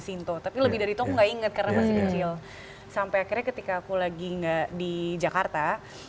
sinto tapi lebih dari itu aku enggak inget karena masih kecil sampai akhirnya ketika aku lagi enggak di jakarta